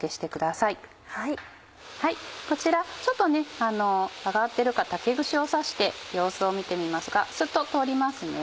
こちらちょっと揚がってるか竹串を刺して様子を見てみますがスッと通りますね。